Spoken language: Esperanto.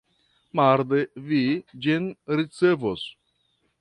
Marde vi ĝin ricevos.